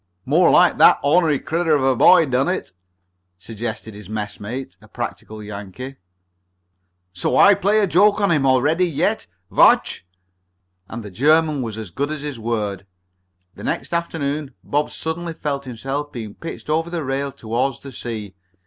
"More like that onery critter of a boy done it," suggested his messmate, a practical Yankee. "So? I plays a joke on him, alretty yet. Vatch." And the German was as good as his word. The next afternoon Bob suddenly felt himself being pitched over the rail toward the sea.